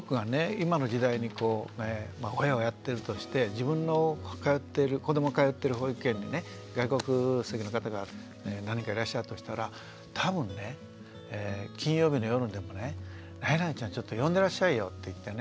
今の時代に親をやってるとして自分の通っている子どもが通ってる保育園にね外国籍の方が何人かいらっしゃるとしたら多分ね金曜日の夜にでもね「なになにちゃんちょっと呼んでらっしゃいよ」って言ってね